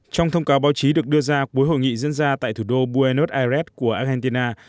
trong thông cáo báo chí được đưa ra cuối hội nghị diễn ra tại thủ đô buenos aires của argentina